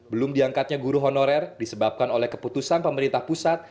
belum diangkatnya guru honorer disebabkan oleh keputusan pemerintah pusat